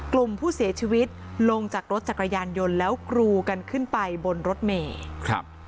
กลุ่มผู้เสียชีวิตลงจากรถจักรยานยนต์แล้วกรูกันขึ้นไปบนรถเมย์ครับ